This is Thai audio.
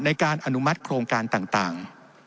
ในการอนุมัติโครงการต่าง